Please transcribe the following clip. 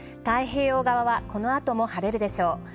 太平洋側はこのあとも晴れるでしょう。